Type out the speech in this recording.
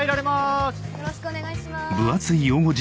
よろしくお願いします。